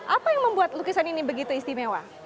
apa yang membuat lukisan ini begitu istimewa